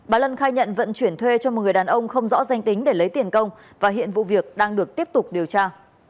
bà lân khai nhận vận chuyển thuê cho một người đàn ông không rõ danh tính để lấy tiền công và hiện vụ việc đang được tiếp tục điều tra